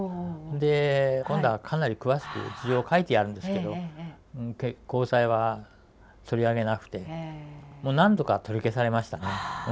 て今度はかなり詳しく事情を書いてやるんですけど高裁は取り上げなくて何度か取り消されましたね保釈決定は。